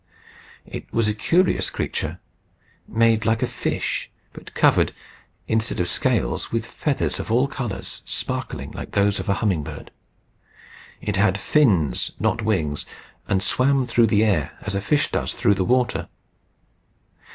It was a curious creature, made like a fish, but covered, instead of scales, with feathers of all colours, sparkling like those of a humming bird. It had fins, not wings, and swam through the air as a fish does through the water.